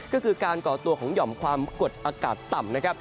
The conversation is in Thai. ก็คือการก่อตัวของหย่อมความกดอากาศต่ำนะครับ